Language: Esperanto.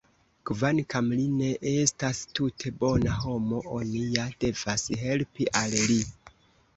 Kvankam li ne estas tute bona homo, oni ja devas helpi al li!